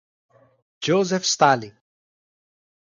Josef Stalin